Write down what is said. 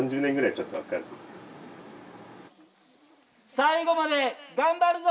最後まで頑張るぞ！